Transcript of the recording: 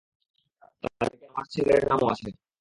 তালিকায় আমার ছেলের নামও আছে।